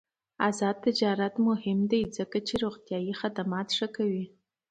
آزاد تجارت مهم دی ځکه چې روغتیا خدمات ښه کوي.